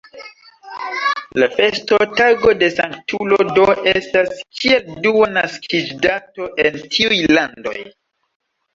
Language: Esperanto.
La festotago de Sanktulo do estas kiel dua naskiĝtago, en tiuj landoj.